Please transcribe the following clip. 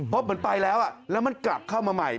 เพราะเหมือนไปแล้วแล้วมันกลับเข้ามาใหม่